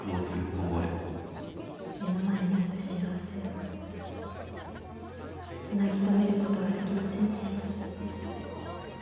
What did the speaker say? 「目の前にあった幸せをつなぎ留めることはできませんでした」。